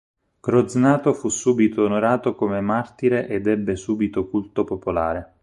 Croznato fu subito onorato come martire ed ebbe subito culto popolare.